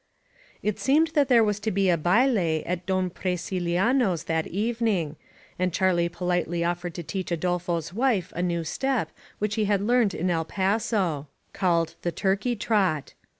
It seemed that there was to be a haile at Don Pri ciliano's that evening, and CharUe politely offered to teach Adolfo's wife a new step which he had learned in El Paso, called the Turkey Trot.